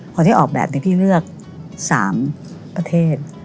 พอได้ออกแบบพี่เลือก๓ประเทศ